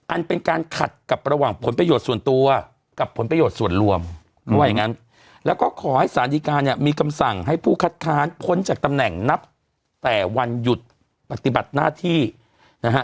อันเป็นการขัดกับระหว่างผลประโยชน์ส่วนตัวกับผลประโยชน์ส่วนรวมเขาว่าอย่างงั้นแล้วก็ขอให้สารดีการเนี่ยมีคำสั่งให้ผู้คัดค้านพ้นจากตำแหน่งนับแต่วันหยุดปฏิบัติหน้าที่นะฮะ